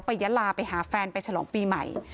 ยะลาไปหาแฟนไปฉลองปีใหม่